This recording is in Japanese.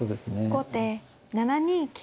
後手７二金。